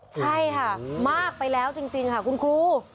ใช่ค่ะมากไปแล้วจริงค่ะคุณครู